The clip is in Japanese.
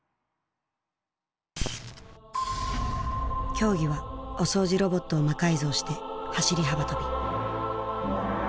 競技はお掃除ロボットを魔改造して走り幅跳び。